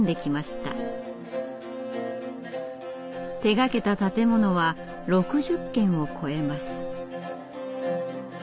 手がけた建物は６０軒を超えます。